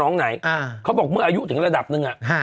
น้องไหนเขาบอกเมื่ออายุถึงระดับนึงอะฮะ